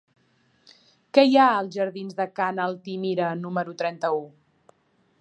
Què hi ha als jardins de Ca n'Altimira número trenta-u?